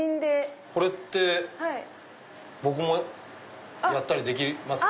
これって僕もやったりできますか？